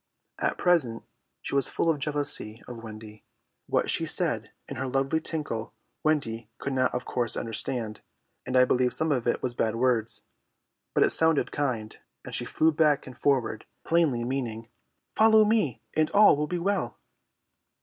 At present she was full of jealousy of Wendy. What she said in her lovely tinkle Wendy could not of course understand, and I believe some of it was bad words, but it sounded kind, and she flew back and forward, plainly meaning "Follow me, and all will be well."